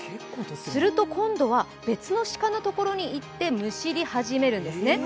すると今度は別の鹿のところに行ってむしり始めるんですね。